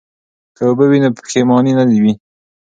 که اوبه وي نو پښیماني نه وي.